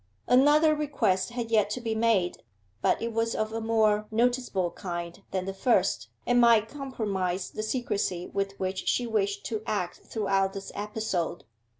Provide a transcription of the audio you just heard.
Another request had yet to be made, but it was of a more noticeable kind than the first, and might compromise the secrecy with which she wished to act throughout this episode.